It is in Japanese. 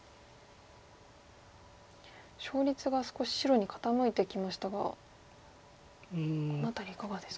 勝率が少し白に傾いてきましたがこの辺りいかがですか？